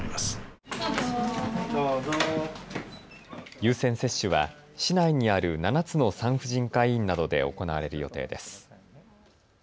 優先接種は市内にある７つの産婦人科医院などで行われる予定です。